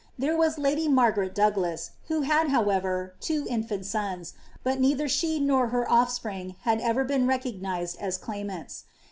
There was lady Margaret Douglas, who had, however, two infant sons, but neither she nor her of&pring had ever been recognised as claimants.